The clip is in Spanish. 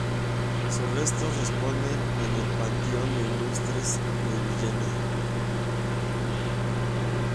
Sus restos reposan en el "Panteón de Ilustres" de Villena.